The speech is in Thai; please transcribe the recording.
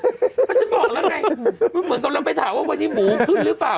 ก็ฉันบอกแล้วไงมันเหมือนกำลังไปถามว่าวันนี้หมูขึ้นหรือเปล่า